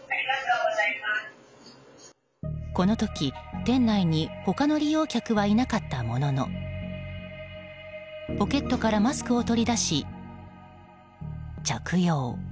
この時、店内に他の利用客はいなかったもののポケットからマスクを取り出し着用。